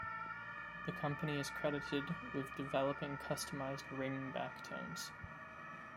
The company is credited with developing customised ring back tones.